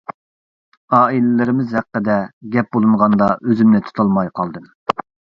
ئائىلىلىرىمىز ھەققىدە گەپ بولۇنغاندا ئۆزۈمنى تۇتالماي قالدىم.